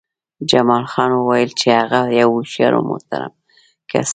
جمال خان وویل چې هغه یو هوښیار او محترم کس دی